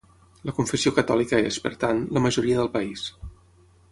La confessió catòlica és, per tant, la majoria del país.